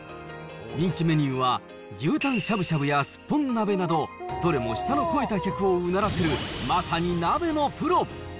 人気メニューは牛タンしゃぶしゃぶやスッポン鍋など、どれも舌の肥えた客をうならせる、まさに鍋のプロ。